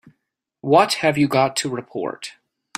What have you got to report?